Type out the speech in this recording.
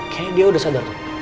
kayaknya dia udah sadar